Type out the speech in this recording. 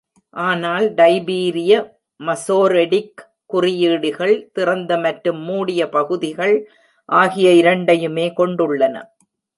ஆனால் டைபீரிய மசோரெடிக் குறியீடுகள் திறந்த மற்றும் மூடிய பகுதிகள் ஆகிய இரண்டையுமே கொண்டுள்ளன.